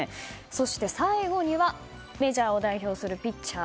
そして最後にはメジャーを代表するピッチャー